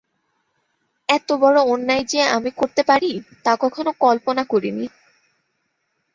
এত বড় অন্যায় যে আমি করতে পারি, তা কখনো কল্পনা করি নি।